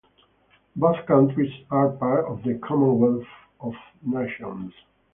Both countries are part of the Commonwealth of Nations.